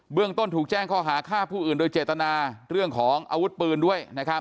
ต้นถูกแจ้งข้อหาฆ่าผู้อื่นโดยเจตนาเรื่องของอาวุธปืนด้วย